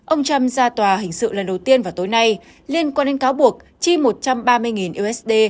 ông trump ra tòa hình sự lần đầu tiên vào tối nay liên quan đến cáo buộc chi một trăm ba mươi usd